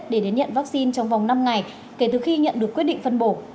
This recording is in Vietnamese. để đến nhận vaccine trong vòng năm ngày kể từ khi nhận được quyết định phân bổ